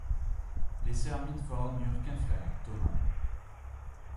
Les sœurs Mitford n'eurent qu'un frère, Thomas.